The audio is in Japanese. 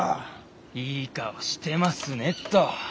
いい顔してますねっと。